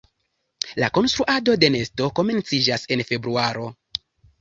La konstruado de nesto komenciĝas en februaro.